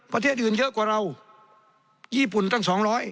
ประเทศอื่นเยอะกว่าเราญี่ปุ่นตั้ง๒๐๐